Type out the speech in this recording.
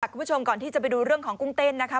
คุณผู้ชมก่อนที่จะไปดูเรื่องของกุ้งเต้นนะคะ